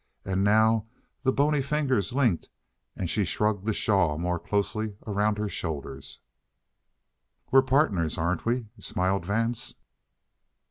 And now the bony fingers linked and she shrugged the shawl more closely around her shoulders. "We're partners, aren't we?" smiled Vance.